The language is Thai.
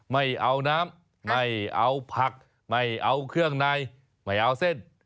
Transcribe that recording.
ไม่เอาน้ำไม่เอาผักไม่เอาเครื่องในไม่เอาเส้น